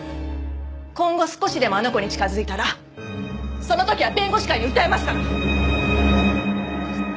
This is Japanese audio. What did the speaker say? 今後少しでもあの子に近づいたらその時は弁護士会に訴えますから。